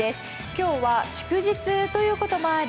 今日は祝日ということもあり